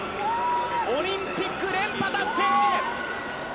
オリンピック連覇達成！